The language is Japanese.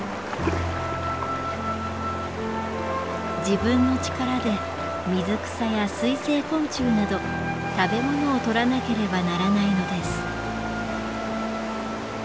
自分の力で水草や水生昆虫など食べ物をとらなければならないのです。